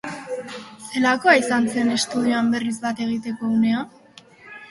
Zelakoa izan zen estudioan berriz bat egiteko unea?